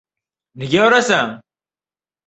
— Nega urasan?